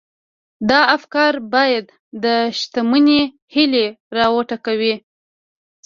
دا افکار بايد د شتمنۍ هيلې را وټوکوي.